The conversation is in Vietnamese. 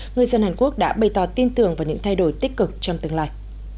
người dân hàn quốc đã bày tỏ tin tưởng vào những thay đổi tích cực trong tương lai